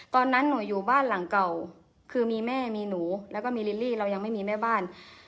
ตอนนั้นหนูอยู่บ้านหลังเก่าคือมีแม่มีหนูแล้วก็มีลิลลี่เรายังไม่มีแม่บ้าน